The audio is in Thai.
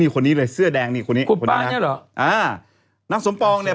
คนนี้เลยเสื้อแดงนี่คนนี้เหรออ่านางสมปองเนี่ย